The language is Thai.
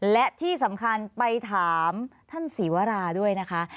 และที่สำคัญไปถามท่านศรีวราด้วยนะคะ